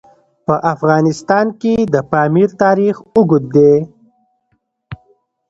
په افغانستان کې د پامیر تاریخ اوږد دی.